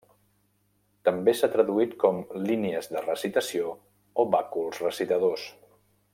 També s'ha traduït com 'línies de recitació' o 'bàculs recitadors'.